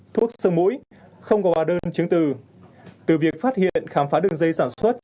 thuốc xương mũi không có ba đơn chứng từ từ việc phát hiện khám phá đường dây sản xuất